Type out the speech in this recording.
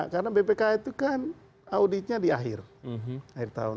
karena bpk itu kan auditnya di akhir tahun